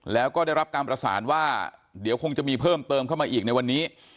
แล้วก็ได้รับการประสานว่าเดี๋ยวคงจะมีเพิ่มเติมเข้ามาอีกในวันนี้